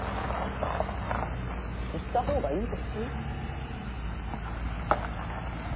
言った方がいいですよ。